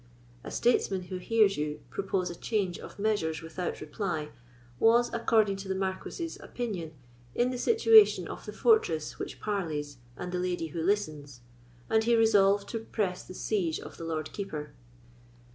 A statesman who hears you propose a change of measures without reply was, according to the Marquis's opinion, in the situation of the fortress which parleys and the lady who listens, and he resolved to press the siege of the Lord Keeper.